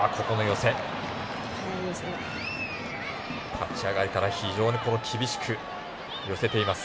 立ち上がりから非常に厳しく寄せています。